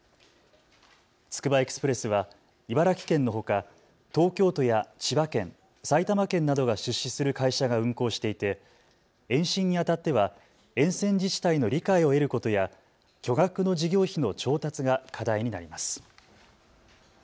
つくばエクスプレスは茨城県のほか東京都や千葉県、埼玉県などが出資する会社が運行していて延伸にあたっては沿線自治体の理解を得ることや巨額の事業費の調達が課題になります。